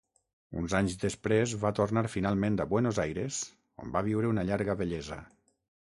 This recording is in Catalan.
Uns anys després va tornar finalment a Buenos Aires on va viure una llarga vellesa.